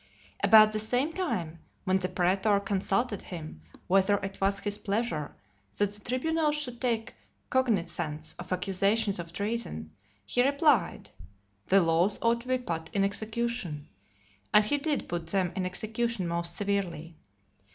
About the same time, when the praetor consulted him, whether it was his pleasure that the tribunals should take cognizance of accusations of treason, he replied, "The laws ought to be put in execution;" and he did put them in execution most severely.